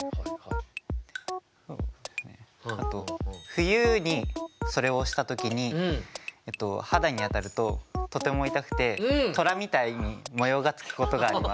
冬にそれをした時に肌に当たるととても痛くてトラみたいに模様がつくことがあります。